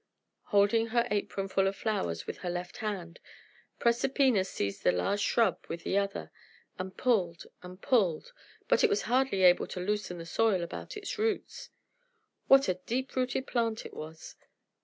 Holding up her apron full of flowers with her left hand, Proserpina seized the large shrub with the other, and pulled and pulled, but was hardly able to loosen the soil about its roots. What a deep rooted plant it was!